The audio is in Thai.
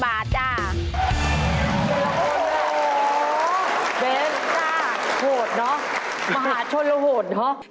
เบ๊นจ้าโหดเนอะมหาชนคือหอดเนอะ